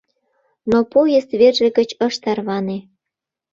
Но поезд верже гыч ыш тарване.